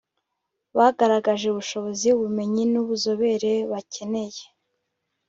Bagaragaje ubushobozi ubumenyi n’ubuzobere bakeneye